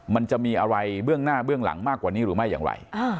มันจะมีอะไรเบื้องหน้าเบื้องหลังมากกว่านี้หรือไม่อย่างไร